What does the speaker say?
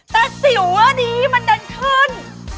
แต่สิวอันนี้มันดันขึ้น